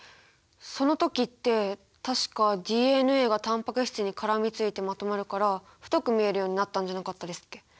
その時って確かＤＮＡがタンパク質に絡みついてまとまるから太く見えるようになったんじゃなかったですっけ。